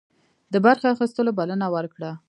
د برخي اخیستلو بلنه ورکړه.